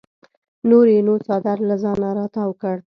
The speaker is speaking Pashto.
نور یې نو څادر له ځانه راتاو کړ.